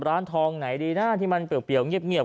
ร้านทองไหนดีน่ะที่มันเปลี่ยวเปลี่ยวเงียบเงียบ